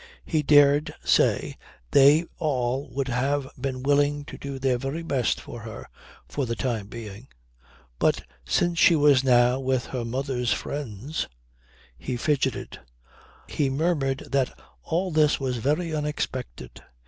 He dared say they all would have been willing to do their very best for her, for the time being; but since she was now with her mother's friends ... He fidgeted. He murmured that all this was very unexpected.